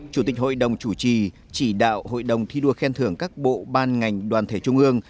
chủ tịch hội đồng chủ trì chỉ đạo hội đồng thi đua khen thưởng các bộ ban ngành đoàn thể trung ương